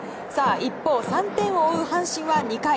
一方、３点を追う阪神は２回。